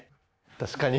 確かに。